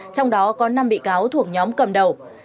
trong đó có năm bị cáo thuộc nhóm cầm đầu